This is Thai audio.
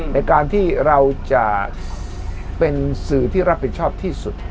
ในการที่เราจะเป็นสื่อที่รับผิดชอบที่สุด